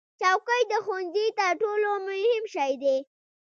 چوکۍ د ښوونځي تر ټولو مهم شی دی.